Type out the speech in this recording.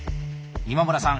今村さん